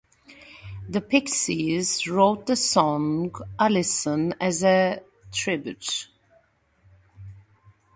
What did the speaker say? The Pixies wrote the song "Allison" as a tribute.